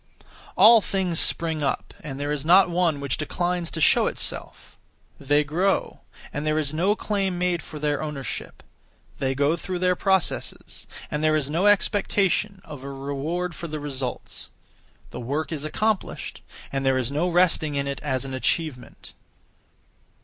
All things spring up, and there is not one which declines to show itself; they grow, and there is no claim made for their ownership; they go through their processes, and there is no expectation (of a reward for the results). The work is accomplished, and there is no resting in it (as an achievement).